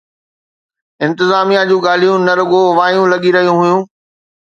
انتظاميا جون ڳالهيون ته رڳو وايون لڳي رهيون هيون